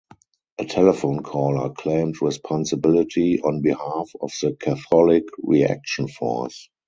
A telephone caller claimed responsibility on behalf of the "Catholic Reaction Force".